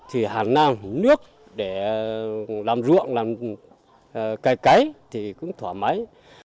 thì hàn năng nước để làm ruộng làm cây cấy thì cũng thoải mái